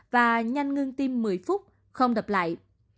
và nhanh ngưng tim một mươi phút không đập lại